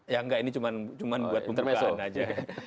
ya enggak ini cuma buat pembukaan aja